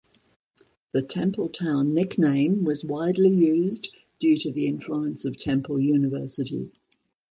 The Templetown nickname was widely used due to the influence of Temple University.